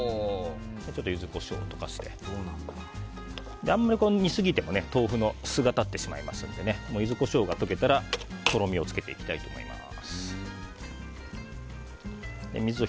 ちょっとユズコショウを溶かしてあまり煮すぎても豆腐のすがたってしまいますのでユズコショウが溶けたらとろみをつけていきたいと思います。